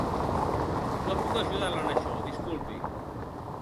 No puc ajudar-la en això, disculpi.